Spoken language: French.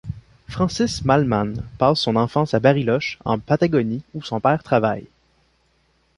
Francis Mallmann passe son enfance à Bariloche, en Patagonie, où son père travaille.